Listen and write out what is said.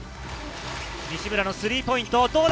西村のスリーポイント、どうだ？